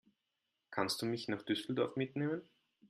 Kannst du mich nach Düsseldorf mitnehmen?